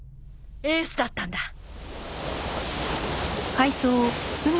エースだったんだ。